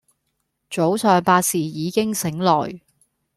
早上八時已經醒來